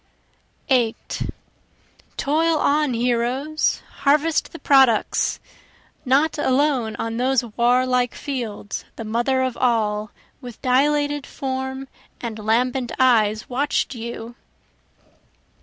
8 Toil on heroes! harvest the products! Not alone on those warlike fields the Mother of All, With dilated form and lambent eyes watch'd you.